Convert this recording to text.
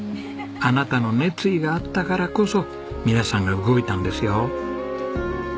あなたの熱意があったからこそ皆さんが動いたんですよ。